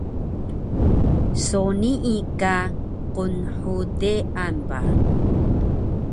so nii ka qnhdean ba